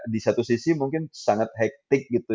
di satu sisi mungkin sangat hektik gitu